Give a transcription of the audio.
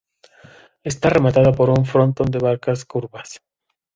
Está rematada por un frontón de barrocas curvas.